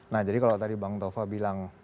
nah jadi kalau tadi bang tova bilang